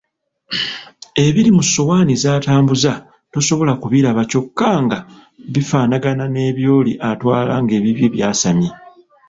Ebiri ku ssowaani zatambuza tosobola kubiraba kyokka nga bifaanagana n'ebyoli atwala ng'ebibye byasamye.